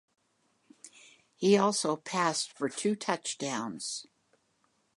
He also passed for two touchdowns.